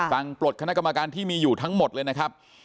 ปลดคณะกรรมการที่มีอยู่ทั้งหมดเลยนะครับ